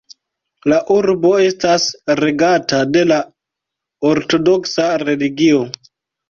La urbo estas regata de la ortodoksa religio.